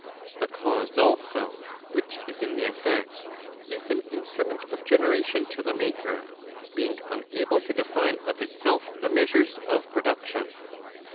The cause also which is in the effect, is an instrument of generation to the maker, being unable to define of itself the measures of production.